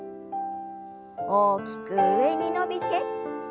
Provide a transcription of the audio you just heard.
大きく上に伸びて。